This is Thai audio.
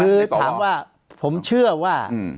คือถามว่าผมเชื่อว่า